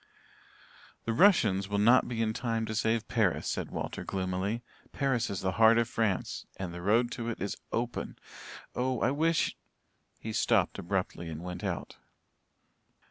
"The Russians will not be in time to save Paris," said Walter gloomily. "Paris is the heart of France and the road to it is open. Oh, I wish" he stopped abruptly and went out.